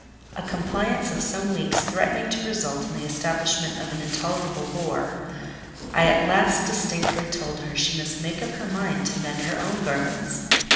A compliance of some weeks threatening to result in the establishment of an intolerable bore—I at last distinctly told her she must make up her mind to mend her own garments.